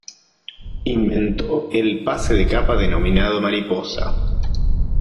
Inventó el pase de capa denominado "Mariposa".